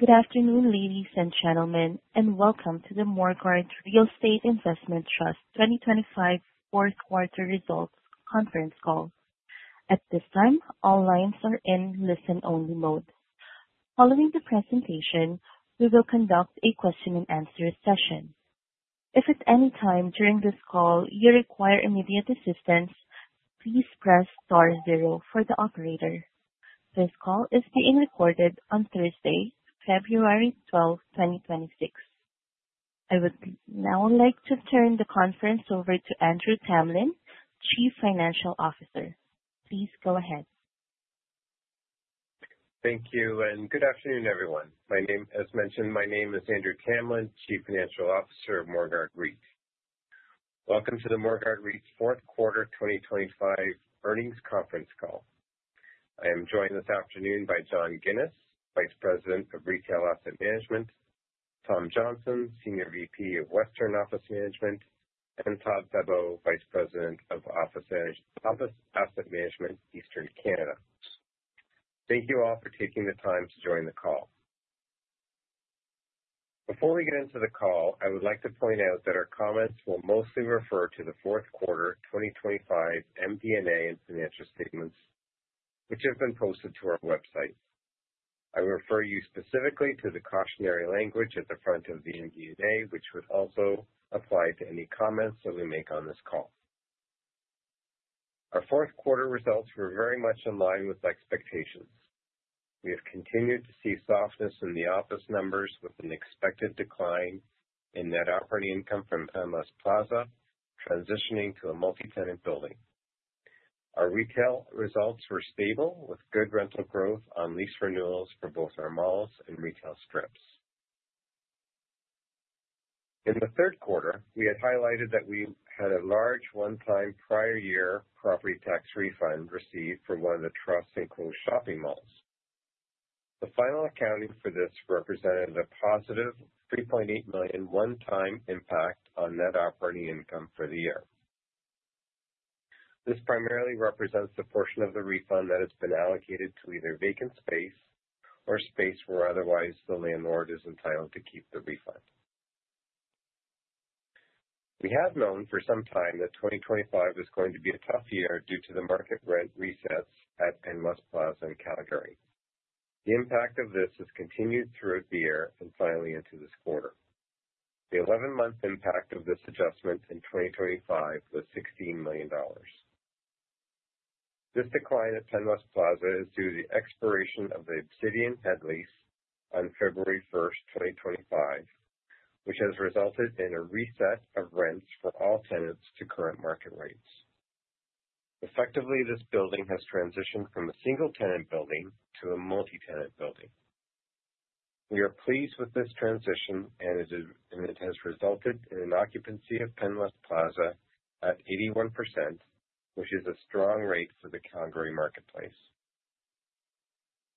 Good afternoon, ladies, and gentlemen, and welcome to the Morguard Real Estate Investment Trust 2025 Fourth Quarter Results Conference Call. At this time, all lines are in listen-only mode. Following the presentation, we will conduct a question-and-answer session. If at any time during this call you require immediate assistance, please press star zero for the Operator. This call is being recorded on Thursday, February 12th, 2026. I would now like to turn the conference over to Andrew Tamlin, Chief Financial Officer. Please go ahead. Thank you, and good afternoon, everyone. As mentioned, my name is Andrew Tamlin, Chief Financial Officer of Morguard REIT. Welcome to the Morguard REIT Fourth Quarter 2025 Earnings Conference Call. I am joined this afternoon by John Ginis, Vice President of Retail Asset Management, Tom Johnston, Senior VP of Western Office Management, and Todd Febbo, Vice President of Office Asset Management, Eastern Canada. Thank you all for taking the time to join the call. Before we get into the call, I would like to point out that our comments will mostly refer to the fourth quarter 2025 MD&A and financial statements, which have been posted to our website. I refer you specifically to the cautionary language at the front of the MD&A, which would also apply to any comments that we make on this call. Our fourth quarter results were very much in line with expectations. We have continued to see softness in the office numbers, with an expected decline in net operating income from Penn West Plaza, transitioning to a multi-tenant building. Our retail results were stable, with good rental growth on lease renewals for both our malls and retail strips. In the third quarter, we had highlighted that we had a large one-time prior year property tax refund received from one of the trust's enclosed shopping malls. The final accounting for this represented a +3.8 million one-time impact on net operating income for the year. This primarily represents the portion of the refund that has been allocated to either vacant space or space where otherwise the landlord is entitled to keep the refund. We have known for some time that 2025 was going to be a tough year due to the market rent reset at Penn West Plaza in Calgary. The impact of this has continued throughout the year and finally into this quarter. The 11-month impact of this adjustment in 2025 was 16 million dollars. This decline at Penn West Plaza is due to the expiration of the Obsidian head lease on February 1st, 2025, which has resulted in a reset of rents for all tenants to current market rates. Effectively, this building has transitioned from a single-tenant building to a multi-tenant building. We are pleased with this transition, and it has resulted in an occupancy of Penn West Plaza at 81%, which is a strong rate for the Calgary marketplace.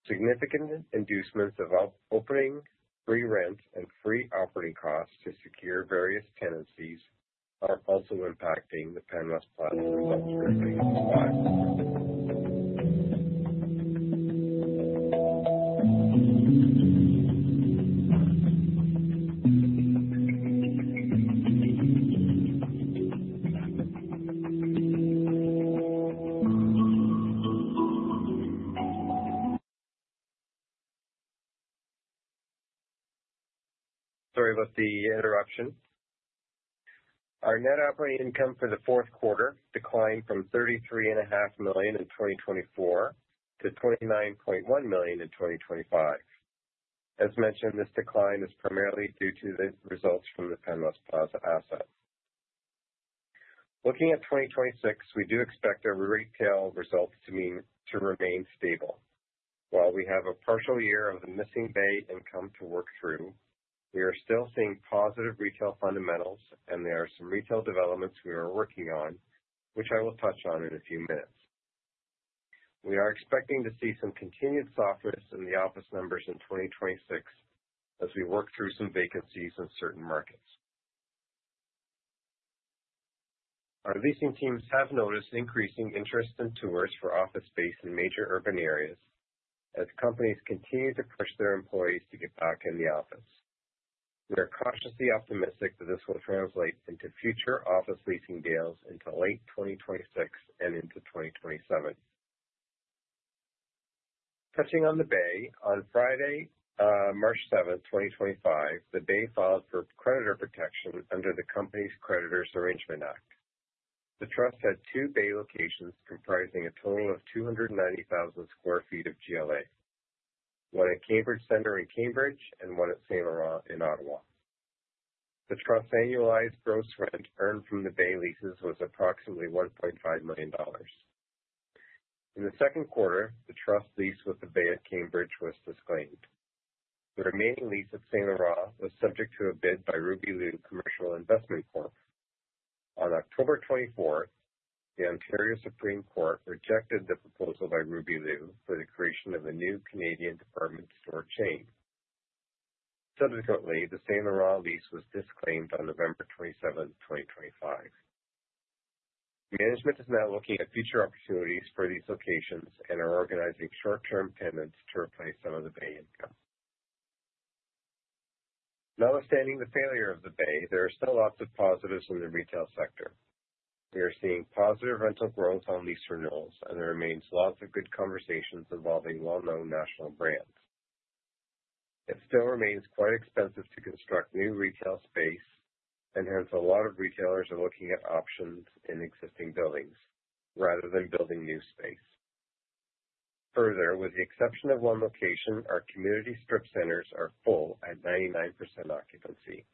Significant inducements of opening free rent and free operating costs to secure various tenancies are also impacting the Penn West Plaza. Sorry about the interruption. Our net operating income for the fourth quarter declined from 33.5 million in 2024 to 29.1 million in 2025. As mentioned, this decline is primarily due to the results from the Penn West Plaza asset. Looking at 2026, we do expect our retail results to remain stable. While we have a partial year of the missing Bay income to work through, we are still seeing positive retail fundamentals, and there are some retail developments we are working on, which I will touch on in a few minutes. We are expecting to see some continued softness in the office numbers in 2026 as we work through some vacancies in certain markets. Our leasing teams have noticed increasing interest in tours for office space in major urban areas as companies continue to push their employees to get back in the office. We are cautiously optimistic that this will translate into future office leasing deals into late 2026 and into 2027. Touching on The Bay, on Friday, March 7th, 2025, The Bay filed for creditor protection under the Companies' Creditors Arrangement Act. The trust had two Bay locations comprising a total of 290,000 sq ft of GLA, one at Cambridge Centre in Cambridge and one at St. Laurent in Ottawa. The trust's annualized gross rent earned from The Bay leases was approximately 1.5 million dollars. In the second quarter, the trust lease with The Bay at Cambridge was disclaimed. The remaining lease at St. Laurent was subject to a bid by Ruby Liu Commercial Investment Corp. On October 24, the Ontario Superior Court rejected the proposal by Ruby Liu for the creation of a new Canadian department store chain. Subsequently, the St. Laurent lease was disclaimed on November 27th, 2025. Management is now looking at future opportunities for these locations and are organizing short-term tenants to replace some of The Bay income. Notwithstanding the failure of The Bay, there are still lots of positives in the retail sector. We are seeing positive rental growth on lease renewals, and there remains lots of good conversations involving well-known national brands. It still remains quite expensive to construct new retail space, and hence, a lot of retailers are looking at options in existing buildings rather than building new space. Further, with the exception of one location, our community strip centers are full at 99% occupancy.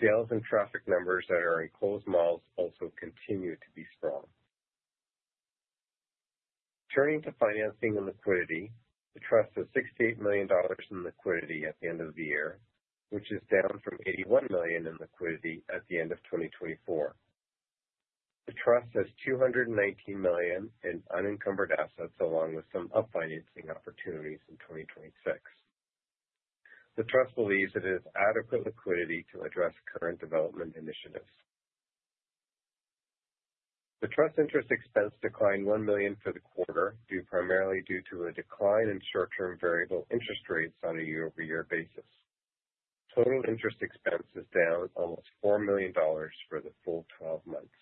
Sales and traffic numbers at our enclosed malls also continue to be strong. Turning to financing and liquidity, the trust has 68 million dollars in liquidity at the end of the year, which is down from 81 million in liquidity at the end of 2024. The trust has 219 million in unencumbered assets, along with some up financing opportunities in 2026. The trust believes it has adequate liquidity to address current development initiatives. The trust's interest expense declined 1 million for the quarter, due primarily to a decline in short-term variable interest rates on a year-over-year basis. Total interest expense is down almost 4 million dollars for the full 12 months.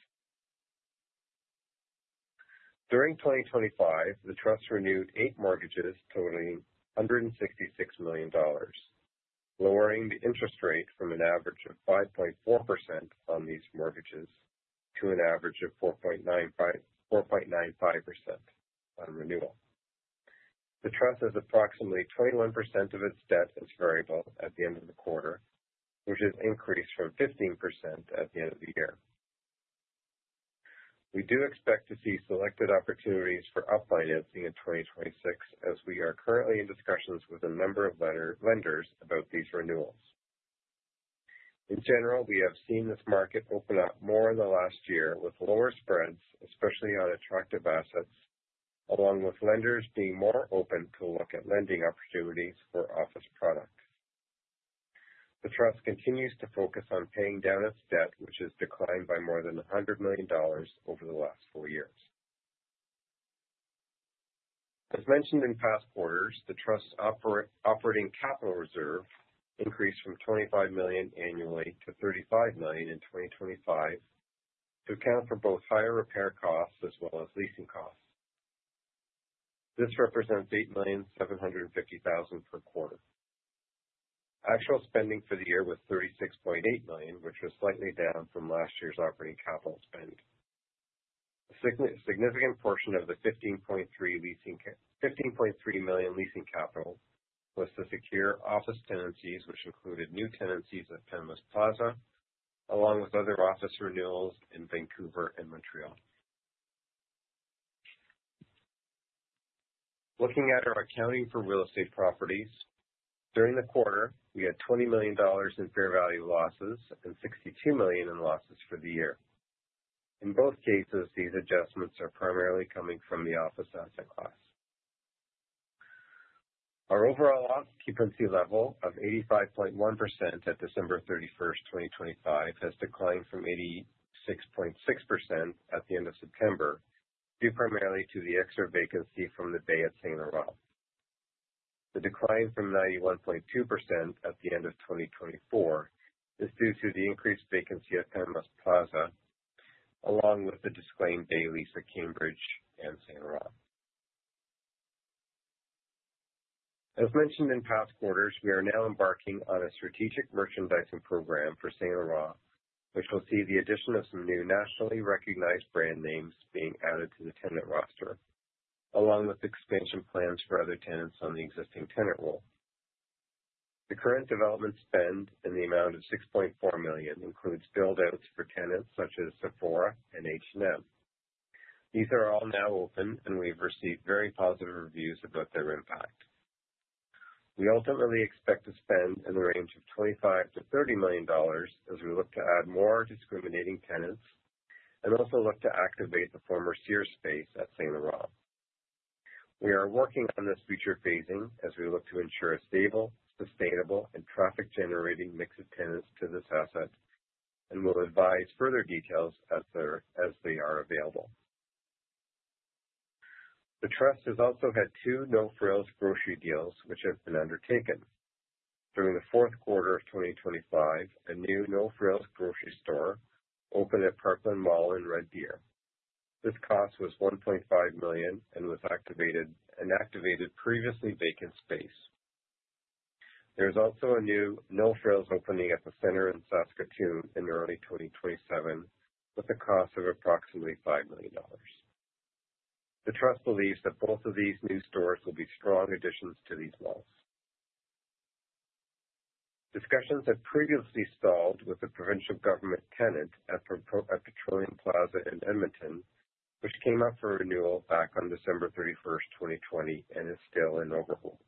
During 2025, the trust renewed eight mortgages totaling 166 million dollars, lowering the interest rate from an average of 5.4% on these mortgages to an average of 4.95%, 4.95% on renewal. The trust has approximately 21% of its debt as variable at the end of the quarter, which has increased from 15% at the end of the year. We do expect to see selected opportunities for up financing in 2026, as we are currently in discussions with a number of lenders about these renewals. In general, we have seen this market open up more in the last year with lower spreads, especially on attractive assets, along with lenders being more open to look at lending opportunities for office products. The trust continues to focus on paying down its debt, which has declined by more than 100 million dollars over the last four years. As mentioned in past quarters, the trust's operating capital reserve increased from 25 million annually to 35 million in 2025 to account for both higher repair costs as well as leasing costs. This represents 8,750,000 per quarter. Actual spending for the year was 36.8 million, which was slightly down from last year's operating capital spend. A significant portion of the 15.3 million leasing capital was to secure office tenancies, which included new tenancies at Penn West Plaza, along with other office renewals in Vancouver and Montreal. Looking at our accounting for real estate properties, during the quarter, we had 20 million dollars in fair value losses and 62 million in losses for the year. In both cases, these adjustments are primarily coming from the office asset class. Our overall occupancy level of 85.1% at December 31, 2025, has declined from 86.6% at the end of September, due primarily to the extra vacancy from The Bay at St. Laurent. The decline from 91.2% at the end of 2024 is due to the increased vacancy at Penn West Plaza, along with the disclaimed Bay lease at Cambridge and St. Laurent. As mentioned in past quarters, we are now embarking on a strategic merchandising program for St. Laurent, which will see the addition of some new nationally recognized brand names being added to the tenant roster, along with expansion plans for other tenants on the existing tenant roll. The current development spend in the amount of 6.4 million includes build-outs for tenants such as Sephora and H&M. These are all now open, and we've received very positive reviews about their impact. We ultimately expect to spend in the range of 25 million-30 million dollars as we look to add more discriminating tenants, and also look to activate the former Sears space at St. Laurent. We are working on this future phasing as we look to ensure a stable, sustainable and traffic-generating mix of tenants to this asset, and will advise further details as they are available. The trust has also had two No Frills grocery deals, which have been undertaken. During the fourth quarter of 2025, a new No Frills grocery store opened at Parkland Mall in Red Deer. This cost was 1.5 million and activated a previously vacant space. There's also a new No Frills opening at The Centre in Saskatoon in early 2027, with a cost of approximately 5 million dollars. The trust believes that both of these new stores will be strong additions to these malls. Discussions have previously stalled with the provincial government tenant at Petroleum Plaza in Edmonton, which came up for renewal back on December 31st, 2020, and is still in overhaul.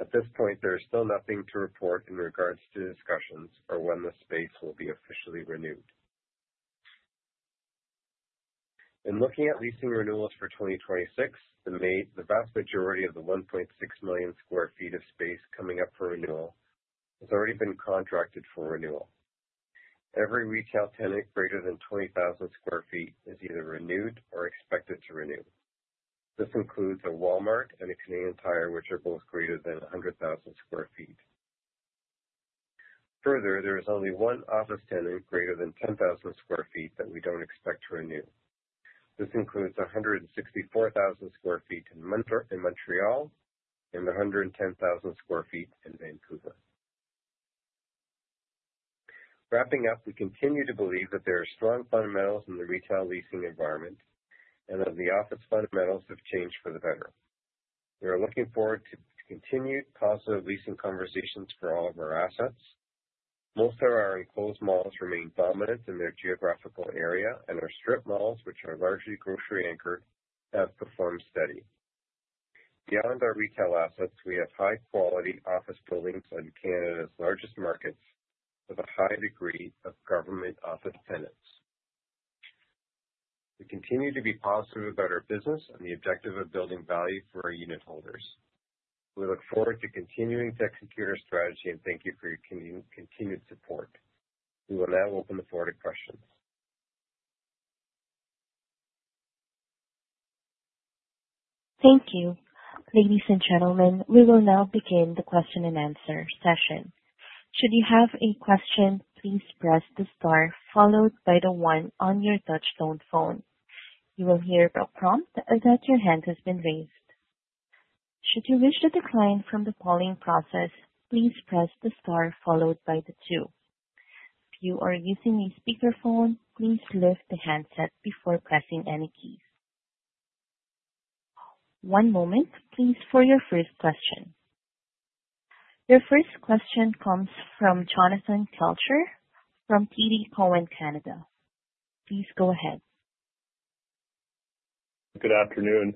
At this point, there is still nothing to report in regards to discussions or when the space will be officially renewed. In looking at leasing renewals for 2026, the vast majority of the 1.6 million sq ft of space coming up for renewal has already been contracted for renewal. Every retail tenant greater than 20,000 sq ft is either renewed or expected to renew. This includes a Walmart and a Canadian Tire, which are both greater than 100,000 sq ft. Further, there is only one office tenant greater than 10,000 sq ft that we don't expect to renew. This includes 164,000 sq ft in Montreal, and 110,000 sq ft in Vancouver. Wrapping up, we continue to believe that there are strong fundamentals in the retail leasing environment and that the office fundamentals have changed for the better. We are looking forward to continued positive leasing conversations for all of our assets. Most of our enclosed malls remain dominant in their geographical area, and our strip malls, which are largely grocery anchored, have performed steady. Beyond our retail assets, we have high quality office buildings on Canada's largest markets with a high degree of government office tenants. We continue to be positive about our business and the objective of building value for our unitholders. We look forward to continuing to execute our strategy and thank you for your continued support. We will now open the floor to questions. Thank you. Ladies, and gentlemen, we will now begin the question-and-answer session. Should you have a question, please press the star followed by the one on your touchtone phone. You will hear a prompt that your hand has been raised. Should you wish to decline from the polling process, please press the star followed by the two. If you are using a speakerphone, please lift the handset before pressing any keys. One moment please, for your first question. Your first question comes from Jonathan Kelcher from TD Cowen, Canada. Please go ahead. Good afternoon.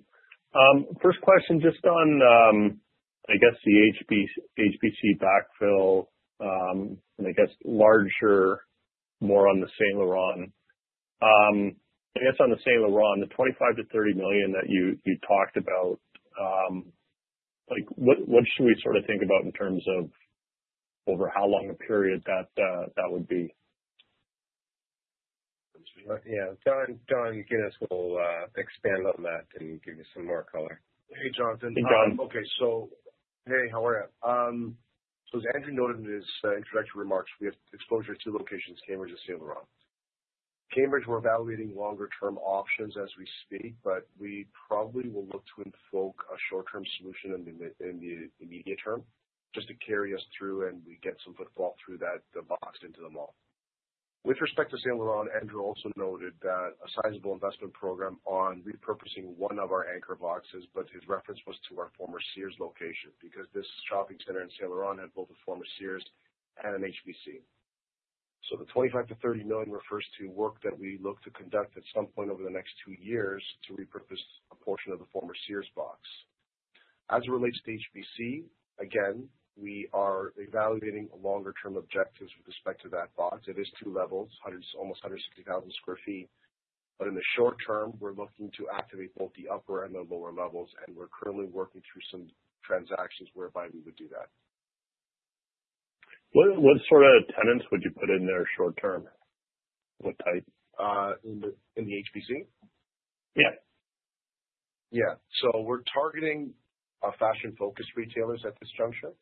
First question, just on, I guess, the HBC, HBC backfill, and I guess larger, more on the St. Laurent. I guess on the St. Laurent, the 25 million-30 million that you, you talked about, like, what, what should we sort of think about in terms of over how long a period that, that would be? Yeah. John Ginis will expand on that and give you some more color. Hey, Jonathan. Hey, John. Okay. So, hey, how are ya? So as Andrew noted in his introductory remarks, we have exposure to locations, Cambridge and St. Laurent. Cambridge, we're evaluating longer term options as we speak, but we probably will look to invoke a short-term solution in the immediate term just to carry us through, and we get some footfall through that, the box into the mall. With respect to St. Laurent, Andrew also noted that a sizable investment program on repurposing one of our anchor boxes, but his reference was to our former Sears location, because this shopping center in St. Laurent had both a former Sears and an HBC. So the 25 million-30 million refers to work that we look to conduct at some point over the next two years to repurpose a portion of the former Sears box. As it relates to HBC, again, we are evaluating longer term objectives with respect to that box. It is two levels, almost 160,000 sq ft. But in the short term, we're looking to activate both the upper and the lower levels, and we're currently working through some transactions whereby we would do that. What, what sort of tenants would you put in there short term? What type? In the HBC? Yeah. Yeah. So we're targeting fashion-focused retailers at this juncture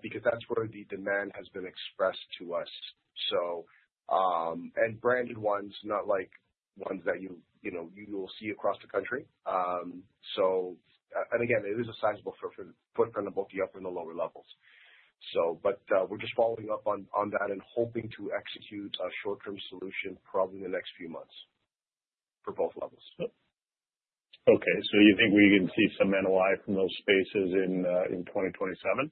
because that's where the demand has been expressed to us. So, and branded ones, not like ones that you know you will see across the country. And again, it is a sizable footprint on both the upper and the lower levels. So, but, we're just following up on that and hoping to execute a short-term solution probably in the next few months for both levels. Okay, so you think we can see some NOI from those spaces in 2027?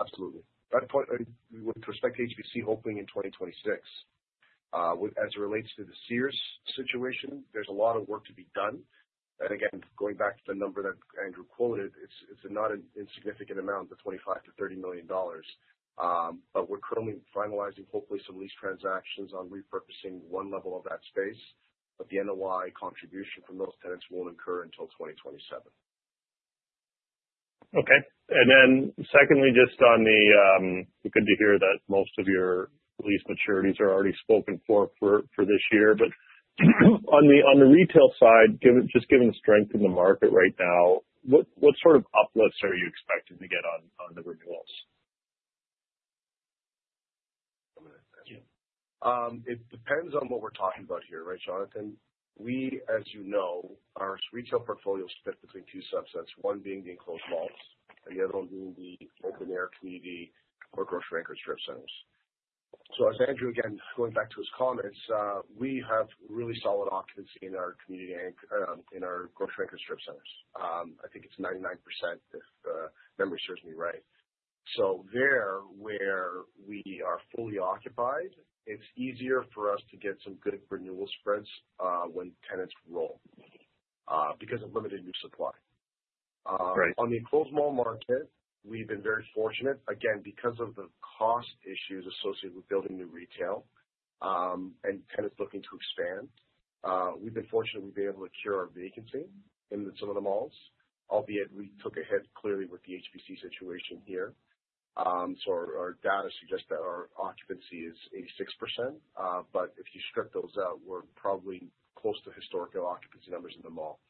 Absolutely. That part, with respect to HBC, hoping in 2026. With, as it relates to the Sears situation, there's a lot of work to be done. And again, going back to the number that Andrew quoted, it's, it's not an insignificant amount, the 25 million-30 million dollars. But we're currently finalizing, hopefully some lease transactions on repurposing one level of that space, but the NOI contribution from those tenants won't occur until 2027. Okay. Secondly, just on the good to hear that most of your lease maturities are already spoken for this year. But on the retail side, just given the strength in the market right now, what sort of uplifts are you expecting to get on the renewals? It depends on what we're talking about here, right, Jonathan? We, as you know, our retail portfolio is split between two subsets, one being the enclosed malls, the other one being the open air community or grocery-anchored strip centers. So as Andrew, again, going back to his comments, we have really solid occupancy in our community, in our grocery-anchored strip centers. I think it's 99%, if memory serves me right. So there, where we are fully occupied, it's easier for us to get some good renewal spreads, when tenants roll, because of limited new supply. On the enclosed mall market, we've been very fortunate. Again, because of the cost issues associated with building new retail, and tenants looking to expand, we've been fortunate we've been able to cure our vacancy in some of the malls, albeit we took a hit clearly with the HBC situation here. So our data suggests that our occupancy is 86%. But if you strip those out, we're probably close to historical occupancy numbers in the mall.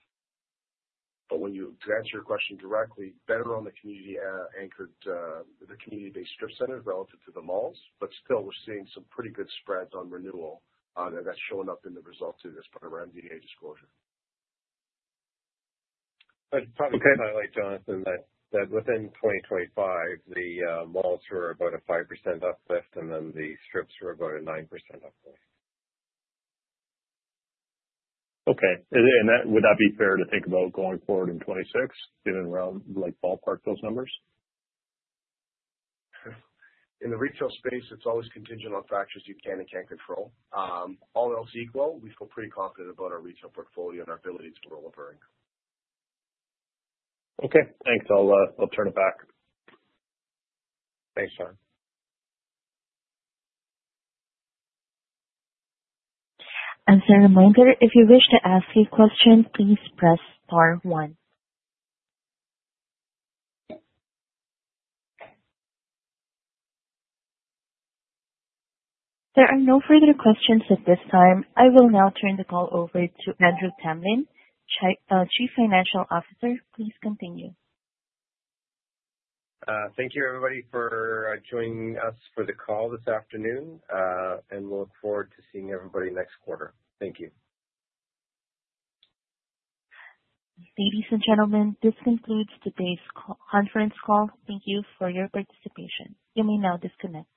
But when you to answer your question directly, better on the community anchored, the community-based strip centers relative to the malls, but still we're seeing some pretty good spreads on renewal, that's showing up in the results in this NDA disclosure. I'd probably highlight, Jonathan, that, that within 2025, the malls were about a 5% uplift, and then the strips were about a 9% uplift. Okay. And that would that be fair to think about going forward in 2026, given around, like, ballpark those numbers? In the retail space, it's always contingent on factors you can and can't control. All else equal, we feel pretty confident about our retail portfolio and our ability to grow over income. Okay, thanks. I'll, I'll turn it back. Thanks, Jon. As a reminder, if you wish to ask a question, please press star one. There are no further questions at this time. I will now turn the call over to Andrew Tamlin, Chief Financial Officer. Please continue. Thank you, everybody, for joining us for the call this afternoon, and we look forward to seeing everybody next quarter. Thank you. Ladies, and gentlemen, this concludes today's conference call. Thank you for your participation. You may now disconnect.